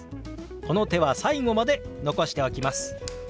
この手は最後まで残しておきます。